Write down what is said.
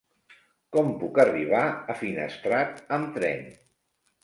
Com puc arribar a Finestrat amb tren?